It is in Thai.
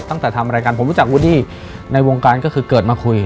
ตั้งแต่ทำรายการผมรู้จักวูดดี้ในวงการก็คือเกิดมาคุย